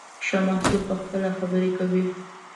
ښه محصول پخپله خبرې کوي.